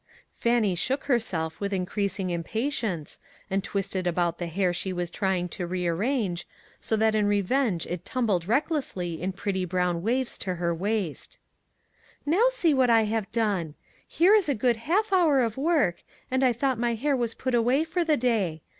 Fannie shook herself with increasing im patience, and twitched about the hair she STEP BY STEP. 57 was trying to rearrange, so that in revenge it tumbled recklessly in pretty brown waves to her waist. " Now see what I have done ! Here is a good half hour of work, and I thought my hair was put away for the day.